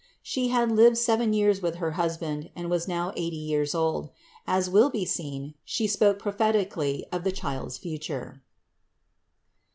She had lived seven years with her husband and was now eighty years old. As will be seen, she spoke pro phetically of the Child's future.